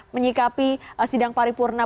menyikapi sidang paripurna